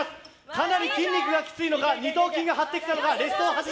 かなり筋肉がきついのか二頭筋が張ってきたのか。